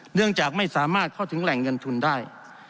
เนื่องจากไม่สามารถเข้าถึงแหล่งเงินทุนได้